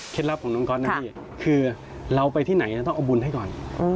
ลับของน้องก๊อตนะพี่คือเราไปที่ไหนต้องเอาบุญให้ก่อน